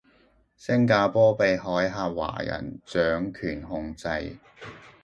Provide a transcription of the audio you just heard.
星加坡被海峽華人掌權控制